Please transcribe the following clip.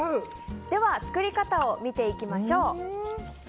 では作り方を見ていきましょう。